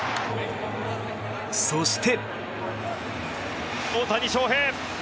そして。